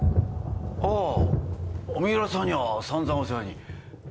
あぁ三浦さんには散々お世話に。